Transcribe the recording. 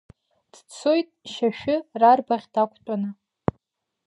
Дцоит Шьашәы рарбаӷь дақәтәаны.